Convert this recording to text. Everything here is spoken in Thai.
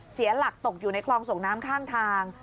เสียหลักตกอยู่ในคลองส่งน้ำข้างทาง